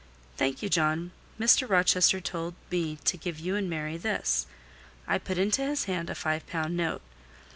"Thank you, John. Mr. Rochester told me to give you and Mary this." I put into his hand a five pound note.